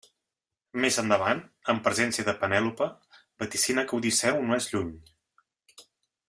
Més endavant, en presència de Penèlope, vaticina que Odisseu no és lluny.